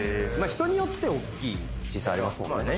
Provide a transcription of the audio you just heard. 人によっておっきい小さいありますもんね